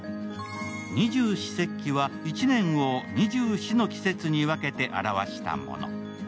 二十四節気は、１年を２４の季節に分けて表したもの。